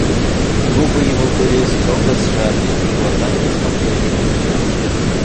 Губы его были строго сжаты, и глаза не смотрели на нее.